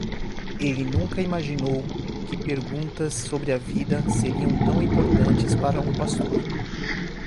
Ele nunca imaginou que perguntas sobre a vida seriam tão importantes para um pastor.